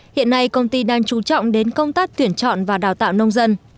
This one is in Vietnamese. hiện nay công ty đang chú trọng đến công tác tuyển chọn và đào tạo nông dân